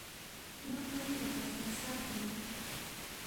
Nuqa ñaupashasaqña.